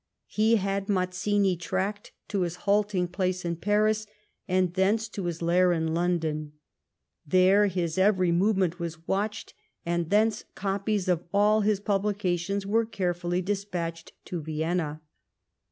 He had Mazzini tracked to his halting place in Paris, and thence to his lair in London. There his every movement was watched, and thence copies of all his publications were carefully despatched to Vienna.